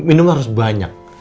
minum harus banyak